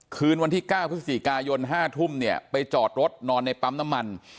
คืนวันที่๙พฤศจิกายน๕ทุ่มเนี่ยไปจอดรถนอนในปั๊มน้ำมัน